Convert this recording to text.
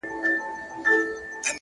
پوهه د انسان ارزښت څو برابره کوي.